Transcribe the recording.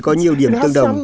có nhiều điểm tương đồng